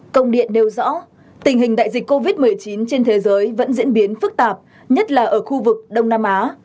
công điện nêu rõ tình hình đại dịch covid một mươi chín trên thế giới vẫn diễn biến phức tạp nhất là ở khu vực đông nam á